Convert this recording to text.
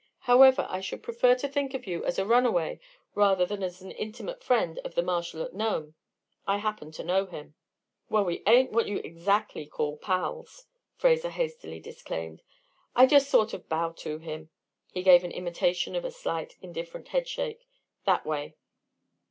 However, I should prefer to think of you as a runaway rather than as an intimate friend of the marshal at Nome; I happen to know him." "Well, we ain't what you'd exactly call pals," Fraser hastily disclaimed. "I just sort of bow to him" he gave an imitation of a slight, indifferent headshake "that way!"